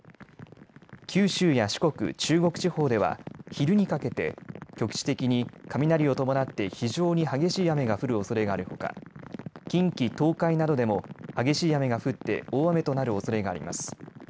九州や四国、中国地方では昼にかけて局地的に雷を伴って非常に激しい雨が降るおそれがあるほか近畿、東海などでも激しい雨が降って大雨となるおそれがあります。